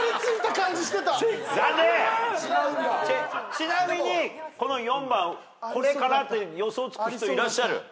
ちなみに４番これかなって予想つく人いらっしゃる？